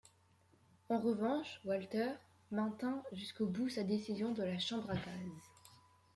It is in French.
En revanche, Walter maintint jusqu’au bout sa décision de la chambre à gaz.